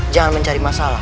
jangan mencari masalah